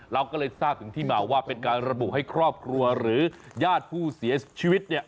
เราก็เลยทราบถึงที่มาว่าเป็นการระบุให้ครอบครัวหรือญาติผู้เสียชีวิตเนี่ย